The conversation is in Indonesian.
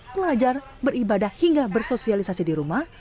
belajar beribadah hingga bersosialisasi di rumah